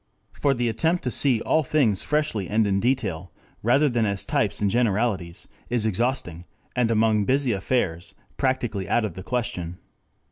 For the attempt to see all things freshly and in detail, rather than as types and generalities, is exhausting, and among busy affairs practically out of the question.